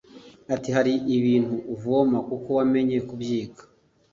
Ati “Hari ibintu uvoma kuko wemeye kubyiga